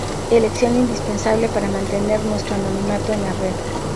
elección indispensable para mantener nuestro anonimato en la red